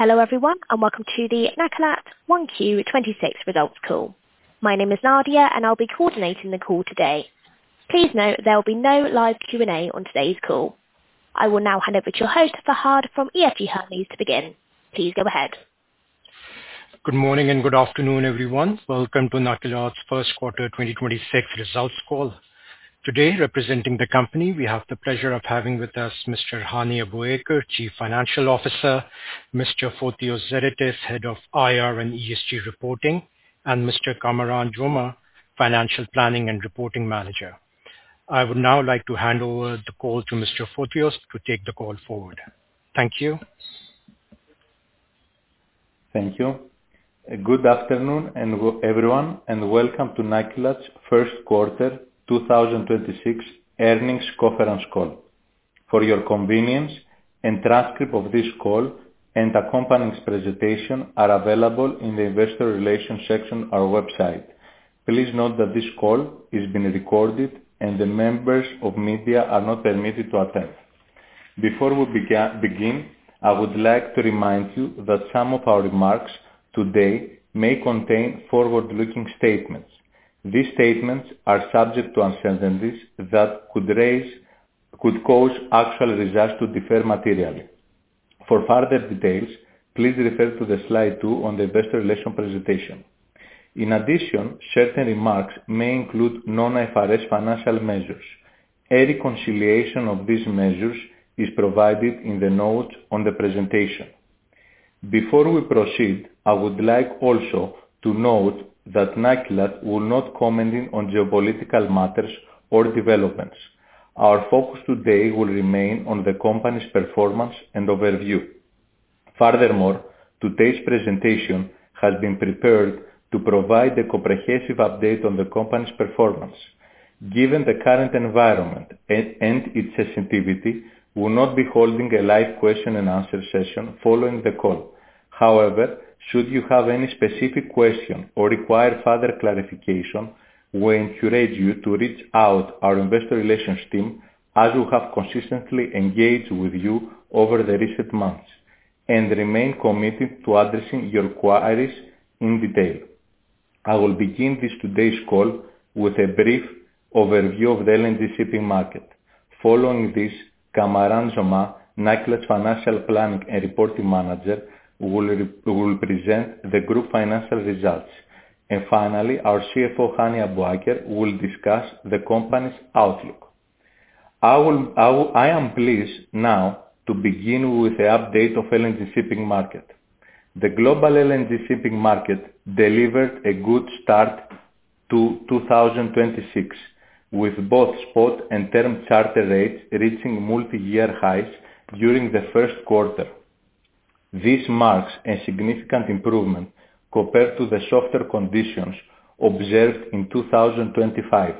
Hello everyone, welcome to the Nakilat 1Q26 results call. My name is Nadia and I'll be coordinating the call today. Please note there will be no live Q&A on today's call. I will now hand over to your host, Fahad from EFG Hermes to begin. Please go ahead. Good morning and good afternoon, everyone. Welcome to Nakilat's first quarter 2026 results call. Today, representing the company, we have the pleasure of having with us Mr. Hani Abuaker, Chief Financial Officer, Mr. Fotios Zeritis, Head of IR and ESG Reporting, and Mr. Kamaran Jomah, Financial Planning and Reporting Manager. I would now like to hand over the call to Mr. Fotios to take the call forward. Thank you. Thank you. Good afternoon, everyone, welcome to Nakilat's first quarter 2026 earnings conference call. For your convenience, a transcript of this call and the company's presentation are available in the Investor Relations section of our website. Please note that this call is being recorded and the members of media are not permitted to attend. Before we begin, I would like to remind you that some of our remarks today may contain forward-looking statements. These statements are subject to uncertainties that could cause actual results to differ materially. For further details, please refer to slide two on the Investor Relations presentation. In addition, certain remarks may include non-IFRS financial measures. A reconciliation of these measures is provided in the notes on the presentation. Before we proceed, I would like also to note that Nakilat will not comment on geopolitical matters or developments. Our focus today will remain on the company's performance and overview. Furthermore, today's presentation has been prepared to provide a comprehensive update on the company's performance. Given the current environment and its sensitivity, we will not be holding a live question-and-answer session following the call. However, should you have any specific question or require further clarification, we encourage you to reach out to our Investor Relations team as we have consistently engaged with you over the recent months and remain committed to addressing your queries in detail. I will begin today's call with a brief overview of the LNG shipping market. Following this, Kamaran Jomah, Nakilat's Financial Planning and Reporting Manager, will present the group financial results. Finally, our CFO, Hani Abuaker, will discuss the company's outlook. I am pleased now to begin with the update of LNG shipping market. The global LNG shipping market delivered a good start to 2026, with both spot and term charter rates reaching multi-year highs during the first quarter. This marks a significant improvement compared to the softer conditions observed in 2025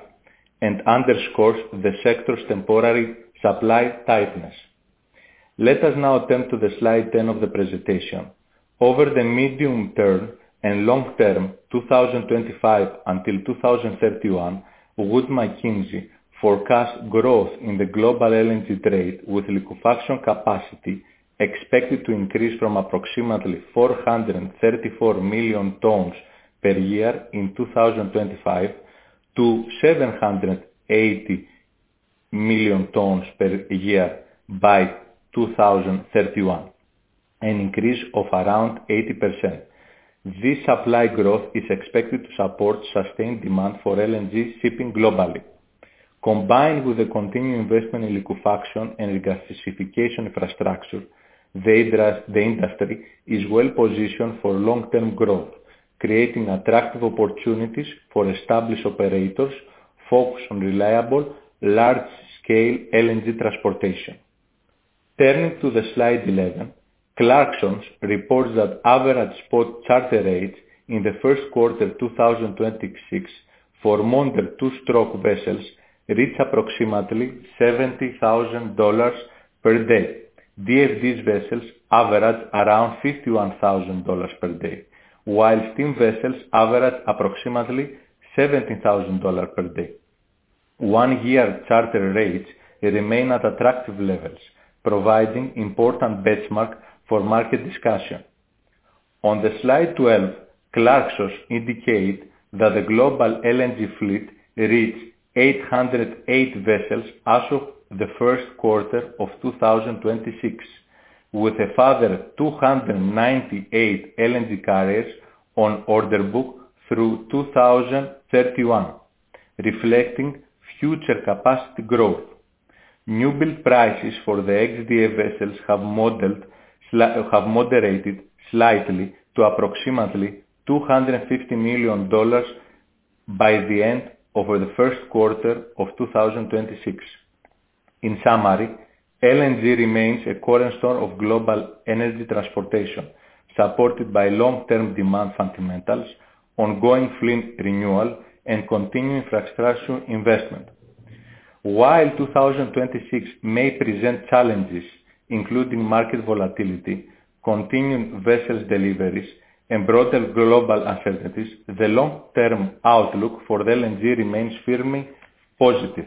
and underscores the sector's temporary supply tightness. Let us now turn to slide 10 of the presentation. Over the medium-term and long-term 2025 until 2031, Wood Mackenzie forecasts growth in the global LNG trade, with liquefaction capacity expected to increase from approximately 434 million tonnes per year in 2025 to 780 million tonnes per year by 2031, an increase of around 80%. This supply growth is expected to support sustained demand for LNG shipping globally. Combined with the continued investment in liquefaction and regasification infrastructure, the industry is well-positioned for long-term growth, creating attractive opportunities for established operators focused on reliable, large-scale LNG transportation. Turning to slide 11, Clarksons reports that average spot charter rates in the first quarter 2026 for modern two-stroke vessels reached approximately $70,000 per day. DFDE vessels average around $51,000 per day, while steam vessels average approximately $17,000 per day. One-year charter rates remain at attractive levels, providing important benchmarks for market discussion. On slide 12, Clarksons indicate that the global LNG fleet reached 808 vessels as of the first quarter of 2026, with a further 298 LNG carriers on order book through 2031, reflecting future capacity growth. New build prices for the XDF vessels have moderated slightly to approximately $250 million by the end of the first quarter of 2026. In summary, LNG remains a cornerstone of global energy transportation, supported by long-term demand fundamentals, ongoing fleet renewal, and continued infrastructure investment. While 2026 may present challenges including market volatility, continuing vessel deliveries, and broader global uncertainties, the long-term outlook for LNG remains firmly positive.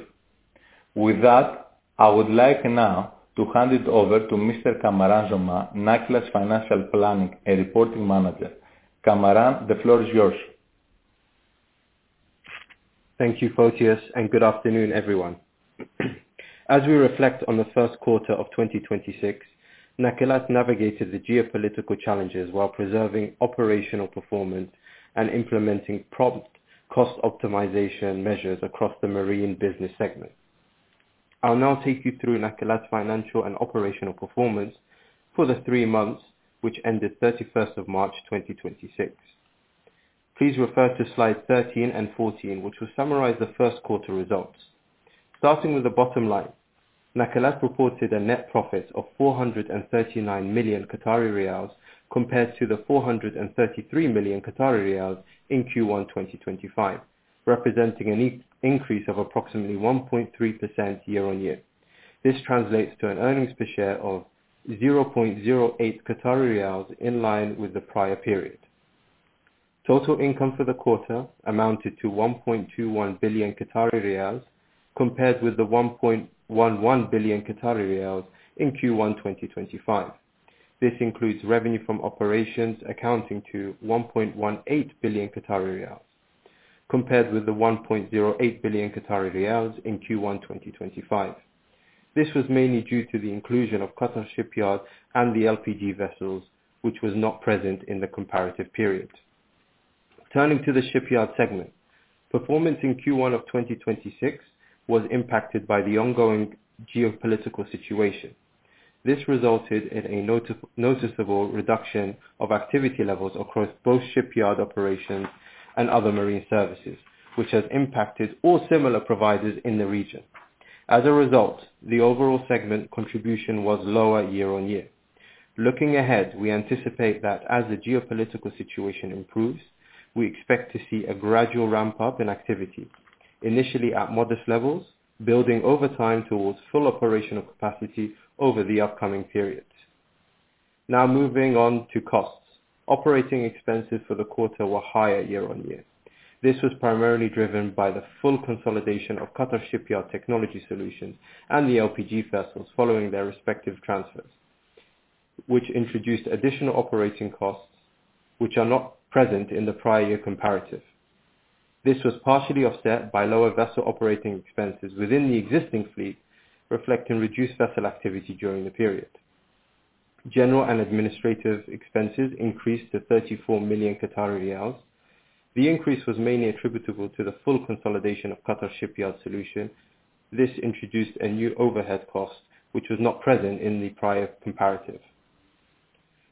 With that, I would like now to hand it over to Mr. Kamaran Jomah, Nakilat's financial planning and reporting manager. Kamaran, the floor is yours. Thank you, Photios, and good afternoon, everyone. As we reflect on the first quarter of 2026, Nakilat navigated the geopolitical challenges while preserving operational performance and implementing prompt cost optimization measures across the marine business segment. I'll now take you through Nakilat's financial and operational performance for the three months, which ended 31st of March 2026. Please refer to slides 13 and 14, which will summarize the first quarter results. Starting with the bottom line, Nakilat reported a net profit of 439 million Qatari riyals, compared to the 433 million Qatari riyals in Q1 2025, representing an increase of approximately 1.3% year-over-year. This translates to an EPS of 0.08 Qatari riyals in line with the prior period. Total income for the quarter amounted to 1.21 billion Qatari riyals compared with 1.11 billion Qatari riyals in Q1 2025. This includes revenue from operations accounting to 1.18 billion Qatari riyals compared with 1.08 billion Qatari riyals in Q1 2025. This was mainly due to the inclusion of Qatar Shipyard and the LPG vessels, which was not present in the comparative period. Turning to the shipyard segment. Performance in Q1 of 2026 was impacted by the ongoing geopolitical situation. This resulted in a noticeable reduction of activity levels across both shipyard operations and other marine services, which has impacted all similar providers in the region. As a result, the overall segment contribution was lower year-on-year. Looking ahead, we anticipate that as the geopolitical situation improves, we expect to see a gradual ramp-up in activity. Initially at modest levels, building over time towards full operational capacity over the upcoming periods. Moving on to costs. Operating expenses for the quarter were higher year-on-year. This was primarily driven by the full consolidation of Qatar Shipyard Technology Solutions and the LPG vessels following their respective transfers, which introduced additional operating costs which are not present in the prior year comparative. This was partially offset by lower vessel operating expenses within the existing fleet, reflecting reduced vessel activity during the period. General and administrative expenses increased to 34 million Qatari riyals. The increase was mainly attributable to the full consolidation of Qatar Shipyard Technology Solutions. This introduced a new overhead cost, which was not present in the prior comparative.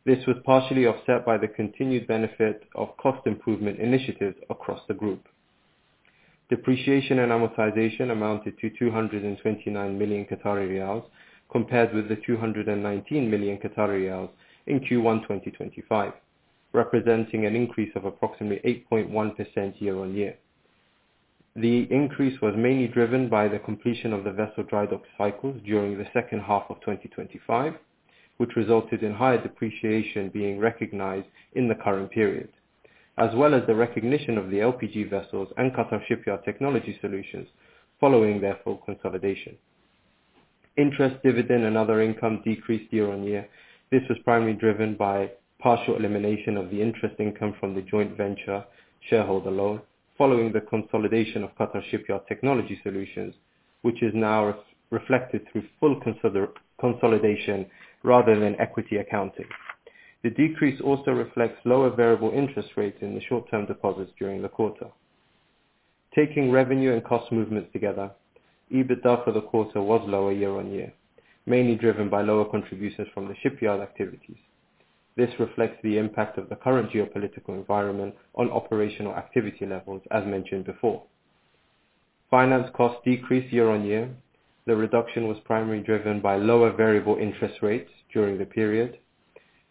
This was partially offset by the continued benefit of cost improvement initiatives across the group. Depreciation and amortization amounted to 229 million Qatari riyals, compared with 219 million Qatari riyals in Q1 2025, representing an increase of approximately 8.1% year-on-year. The increase was mainly driven by the completion of the vessel drydock cycles during the second half of 2025, which resulted in higher depreciation being recognized in the current period, as well as the recognition of the LPG vessels and Qatar Shipyard Technology Solutions following their full consolidation. Interest dividend and other income decreased year-on-year. This was primarily driven by partial elimination of the interest income from the joint venture shareholder loan following the consolidation of Qatar Shipyard Technology Solutions, which is now reflected through full consolidation rather than equity accounting. The decrease also reflects lower variable interest rates in the short-term deposits during the quarter. Taking revenue and cost movements together, EBITDA for the quarter was lower year-on-year, mainly driven by lower contributions from the shipyard activities. This reflects the impact of the current geopolitical environment on operational activity levels, as mentioned before. Finance costs decreased year-on-year. The reduction was primarily driven by lower variable interest rates during the period,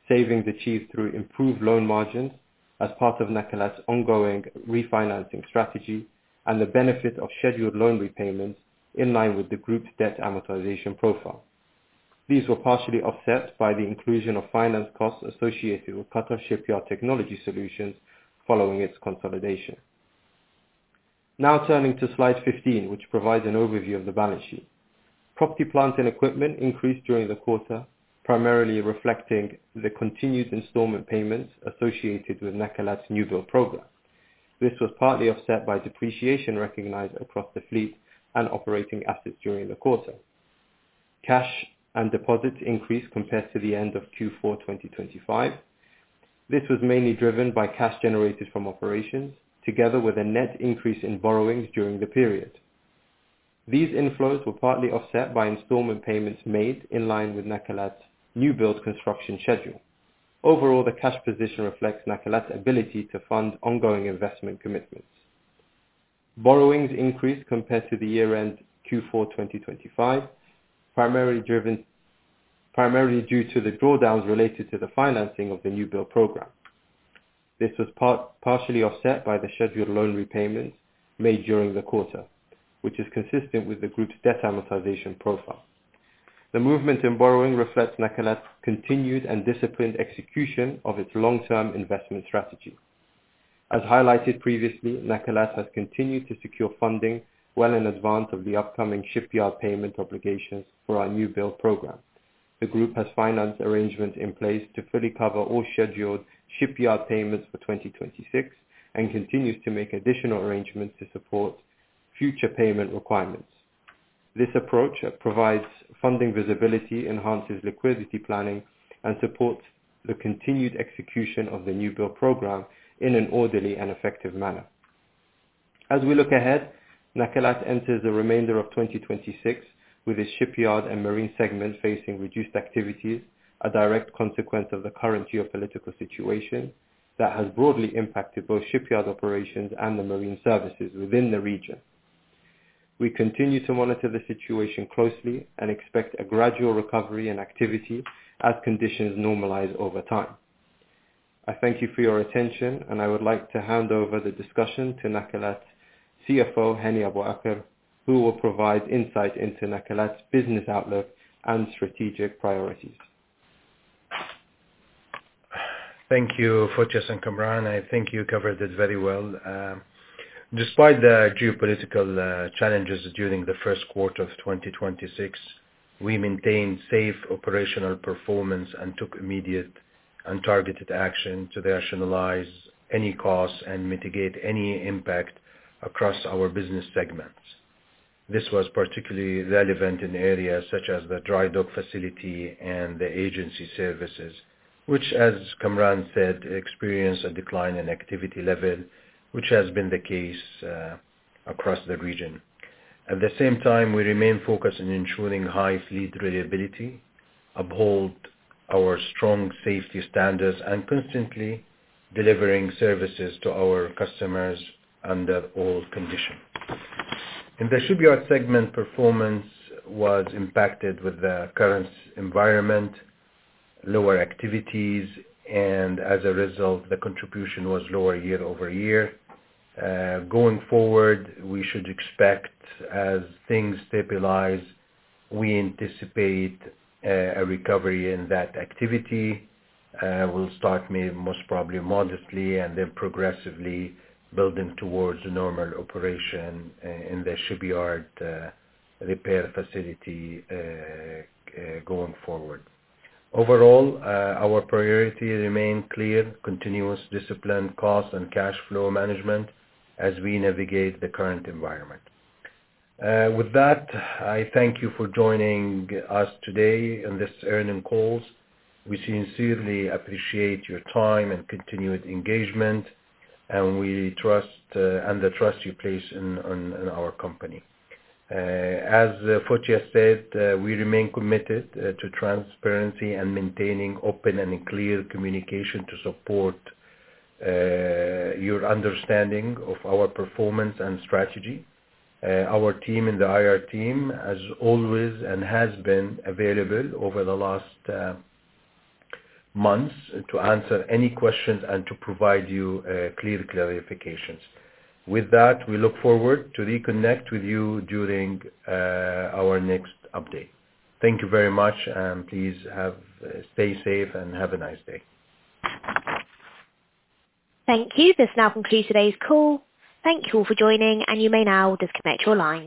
savings achieved through improved loan margins as part of Nakilat's ongoing refinancing strategy, and the benefit of scheduled loan repayments in line with the group's debt amortization profile. These were partially offset by the inclusion of finance costs associated with Qatar Shipyard Technology Solutions following its consolidation. Turning to slide 15, which provides an overview of the balance sheet. Property, plant, and equipment increased during the quarter, primarily reflecting the continued installment payments associated with Nakilat's newbuild program. This was partly offset by depreciation recognized across the fleet and operating assets during the quarter. Cash and deposits increased compared to the end of Q4 2025. This was mainly driven by cash generated from operations, together with a net increase in borrowings during the period. These inflows were partly offset by installment payments made in line with Nakilat's newbuild construction schedule. Overall, the cash position reflects Nakilat's ability to fund ongoing investment commitments. Borrowings increased compared to the year-end Q4 2025 primarily due to the drawdowns related to the financing of the newbuild program. This was partially offset by the scheduled loan repayments made during the quarter, which is consistent with the group's debt amortization profile. The movement in borrowing reflects Nakilat's continued and disciplined execution of its long-term investment strategy. As highlighted previously, Nakilat has continued to secure funding well in advance of the upcoming shipyard payment obligations for our new build program. The group has finance arrangements in place to fully cover all scheduled shipyard payments for 2026 and continues to make additional arrangements to support future payment requirements. We look ahead, Nakilat enters the remainder of 2026 with its shipyard and marine segment facing reduced activities, a direct consequence of the current geopolitical situation that has broadly impacted both shipyard operations and the marine services within the region. We continue to monitor the situation closely and expect a gradual recovery in activity as conditions normalize over time. I thank you for your attention, and I would like to hand over the discussion to Nakilat CFO, Hani Abu-Aker, who will provide insight into Nakilat's business outlook and strategic priorities. Thank you, Fotios and Kamaran. I think you covered it very well. Despite the geopolitical challenges during the first quarter of 2026, we maintained safe operational performance and took immediate and targeted action to rationalize any costs and mitigate any impact across our business segments. This was particularly relevant in areas such as the dry dock facility and the agency services, which, as Kamaran said, experienced a decline in activity level, which has been the case across the region. At the same time, we remain focused on ensuring high fleet reliability, uphold our strong safety standards, and constantly delivering services to our customers under all conditions. In the shipyard segment, performance was impacted with the current environment, lower activities, and as a result, the contribution was lower year-over-year. Going forward, we should expect, as things stabilize, we anticipate a recovery in that activity will start most probably modestly and then progressively building towards normal operation in the shipyard repair facility going forward. Overall, our priorities remain clear, continuous discipline, cost, and cash flow management as we navigate the current environment. With that, I thank you for joining us today on this earnings call. We sincerely appreciate your time and continued engagement and the trust you place in our company. As Fotios said, we remain committed to transparency and maintaining open and clear communication to support your understanding of our performance and strategy. Our team and the IR team, as always, has been available over the last months to answer any questions and to provide you clear clarifications. With that, we look forward to reconnect with you during our next update. Thank you very much. Please stay safe and have a nice day. Thank you. This now concludes today's call. Thank you all for joining. You may now disconnect your line.